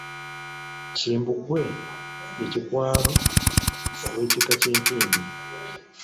Kimbugwe ye Kikwalo ow'ekika ky'Empindi.